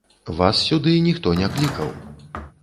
Вас сюды ніхто не клікаў.